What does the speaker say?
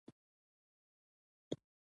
بوریس وویل چې ګارلوک څه شو.